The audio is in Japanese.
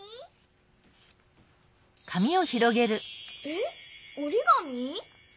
えっおりがみ？